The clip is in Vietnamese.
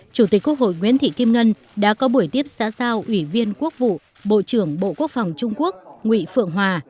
chủ tịch quốc hội nguyễn thị kim ngân đã có buổi tiếp xã giao ủy viên quốc vụ bộ trưởng bộ quốc phòng trung quốc nguyễn phượng hòa